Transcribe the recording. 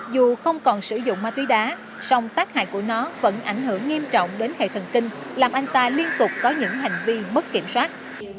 dù không còn sử dụng ma túy đá song tác hại của nó vẫn ảnh hưởng nghiêm trọng đến hệ thần kinh làm anh ta liên tục có những hành vi mất kiểm soát